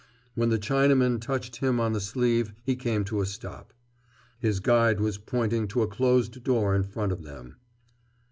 When the Chinaman touched him on the sleeve he came to a stop. His guide was pointing to a closed door in front of them.